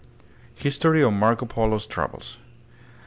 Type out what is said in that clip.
History of Marco Polo's Travels.